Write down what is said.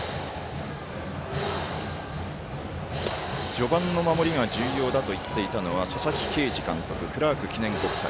序盤の守りが重要だと言っていたのは佐々木啓司監督クラーク記念国際。